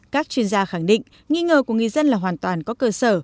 các chuyên gia khẳng định nghi ngờ của người dân là hoàn toàn có cơ sở